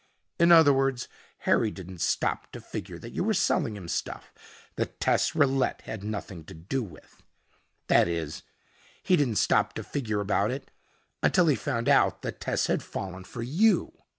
In other words, Harry didn't stop to figure that you were selling him stuff that Tess Rillette had nothing to do with. That is he didn't stop to figure about it until he found out that Tess had fallen for you."